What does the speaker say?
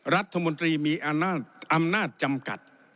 รัฐมนตรีมีอำนาจจำกัด